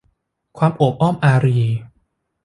ความโอบอ้อมอารี